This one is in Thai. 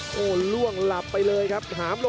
โอ้โหล่วงหลับไปเลยครับ